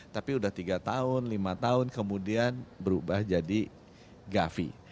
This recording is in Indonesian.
tapi sudah tiga tahun lima tahun kemudian berubah jadi gavi